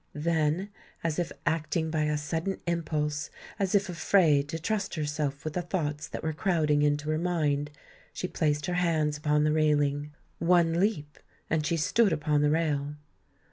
Then, as if acting by a sudden impulse,—as if afraid to trust herself with the thoughts that were crowding into her mind,—she placed her hands upon the railing. One leap—and she stood upon the rail.